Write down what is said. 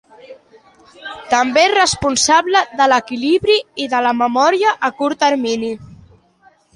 També és responsable de l'equilibri i de la memòria a curt termini.